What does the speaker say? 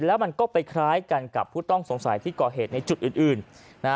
และมันปิดกับผู้ต้องสงสัยที่ก่อเหตุในจุดอื่น